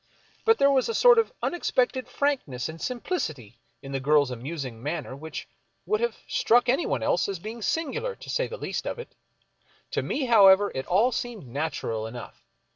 But there was a sort of unexpected frankness and simplicity in the girl's amusing manner which would have struck anyone else as being singular, to say the least of it. To me, however, it all seemed natural enough.